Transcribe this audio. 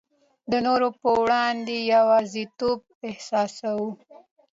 د نورو په وړاندي یوازیتوب احساسوو.